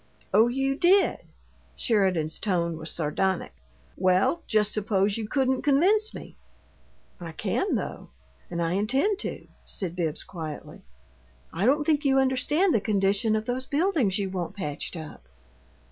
"Oh, you did?" Sheridan's tone was sardonic. "Well, just suppose you couldn't convince me." "I can, though and I intend to," said Bibbs, quietly. "I don't think you understand the condition of those buildings you want patched up."